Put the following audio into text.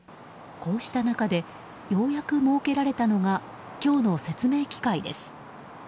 こうした中でようやく設けられたのが今日の説明機会です。